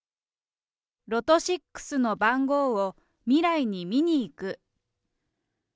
ロト６の番号を未来に見に行く。